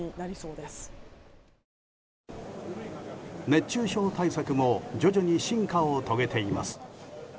熱中症対策も徐々に進化を遂げています。